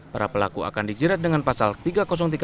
para pelaku akan dijerat dengan pasal tiga d